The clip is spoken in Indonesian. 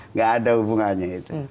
nggak ada hubungannya itu